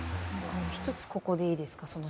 １つここでいいですか。